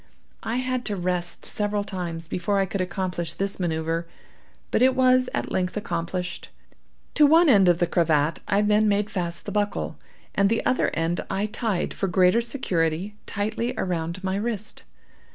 I had to rest several times before I could accomplish this manoeuvre, but it was at length accomplished. To one end of the cravat I then made fast the buckle, and the other end I tied, for greater security, tightly around my wrist.